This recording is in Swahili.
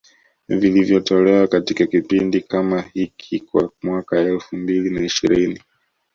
vilivyotolewa katika kipindi kama hiki kwa mwaka elfu mbili na ishirini